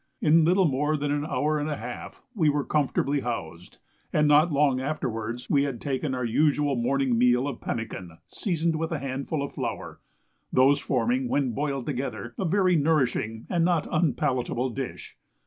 In little more than a hour and a half we were comfortably housed, and not long afterwards we had taken our usual morning meal of pemmican seasoned with a handful of flour, those forming, when boiled together, a very nourishing and not unpalatable dish.